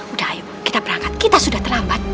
udah ayo kita berangkat kita sudah terlambat